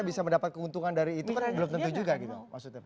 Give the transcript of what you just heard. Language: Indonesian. bisa mendapat keuntungan dari itu kan belum tentu juga gitu maksudnya pak